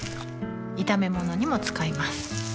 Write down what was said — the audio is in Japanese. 炒め物にも使います